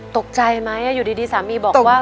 ตกใจไหมอยู่ดีสามีบอกว่า